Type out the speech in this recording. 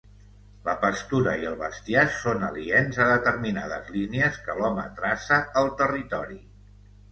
La pastura i el bestiar són aliens a determinades línies que l'home traça al territori.